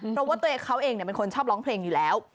เพราะว่าตัวเองเขาเองเป็นคนชอบร้องเพลงอยู่แล้ว